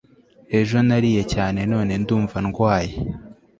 ejo nariye cyane none ndumva ndwaye